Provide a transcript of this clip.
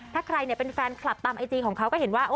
ถ้าใครเป็นแฟนคลับตามไอจีของเขาก็เห็นว่า